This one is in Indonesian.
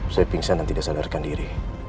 saya pingsan dan tidak sadarkan diri